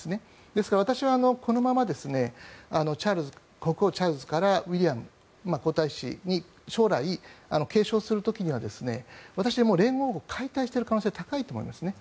ですから、私はこのままチャールズ国王からウィリアム皇太子に将来、継承する時には私、連合王国もう解体してる可能性が高いと思いますね。